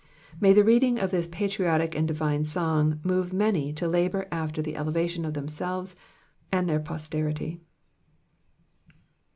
May the reading of this patriotic and divine song move many to labour after the elevation of themselves and their posterity.